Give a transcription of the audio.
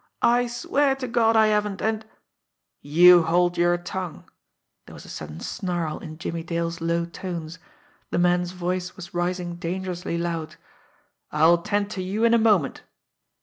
"I swear to God, I haven't, and " "You hold your tongue!" There was a sudden snarl in Jimmie Dale's low tones. The man's voice was rising dangerously loud. "I'll attend to you in a moment!"